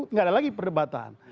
tidak ada lagi perdebatan